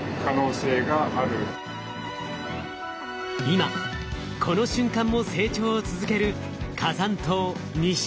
今この瞬間も成長を続ける火山島西之島。